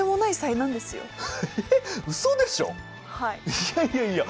いやいやいや。